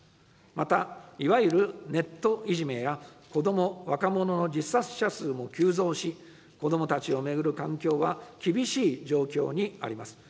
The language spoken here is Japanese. また、いわゆるネットいじめや子ども・若者の自殺者数も急増し、子どもたちを巡る環境は厳しい状況にあります。